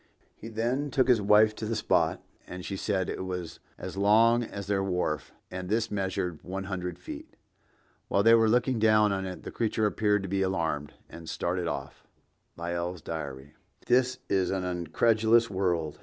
He then took his wife to the spot, and she said it was as long as their wharf, and this measured one hundred feet. While they were looking down on it, the creature appeared to be alarmed, and started off." (Lyell's Diary.) This is an incredulous world.